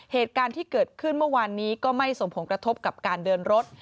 เหตุการณ์ที่เกิดขึ้นเมื่อวานนี้ก็ไม่สมผงกระทบกับการเดินรถ